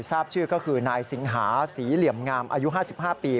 ทราบชื่อก็คือนายสิงหาศรีเหลี่ยมงามอายุ๕๕ปี